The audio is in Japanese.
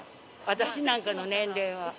私なんかの年齢は。